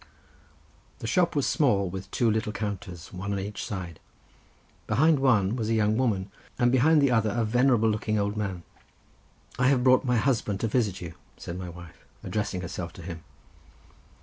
The shop was small, with two little counters, one on each side. Behind one was a young woman, and behind the other a venerable looking old man. "I have brought my husband to visit you," said my wife, addressing herself to him.